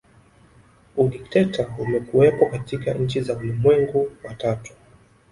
Udikteta umekuwepo katika nchi za ulimwengu wa tatu